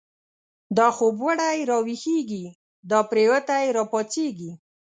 دا خوب و ړی را ویښیږی، دا پریوتی را پاڅیږی